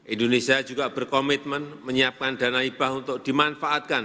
indonesia juga berkomitmen menyiapkan dana hibah untuk dimanfaatkan